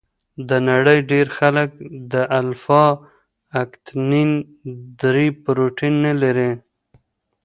د نړۍ ډېر خلک د الفا اکتینین درې پروټین نه لري.